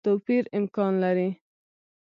توپیر امکان لري.